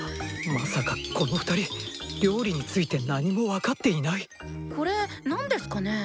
まさかっこの２人料理について何も分かっていない⁉これ何ですかね？